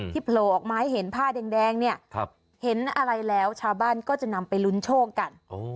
โผล่ออกมาให้เห็นผ้าแดงเนี่ยเห็นอะไรแล้วชาวบ้านก็จะนำไปลุ้นโชคกัน